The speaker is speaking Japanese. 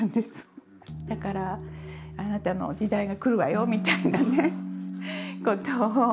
だから「あなたの時代が来るわよ」みたいなね事を。